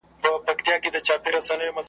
خوشالي لکه بلوړ داسي ښکاریږي .